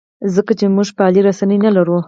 ځکه موږ فعالې رسنۍ نه لرو.